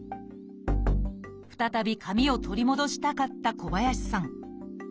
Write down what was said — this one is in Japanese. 再び髪を取り戻したかった小林さん。